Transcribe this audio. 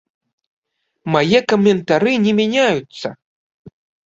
Мае каментары не мяняюцца!